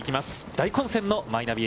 大混戦のマイナビ